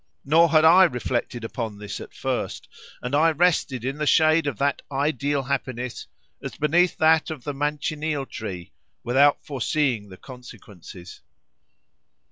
Nor had I reflected upon this at first, and I rested in the shade of that ideal happiness as beneath that of the manchineel tree, without foreseeing the consequences."